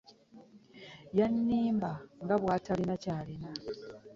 Yannimba nga bw'atalina ky'alina.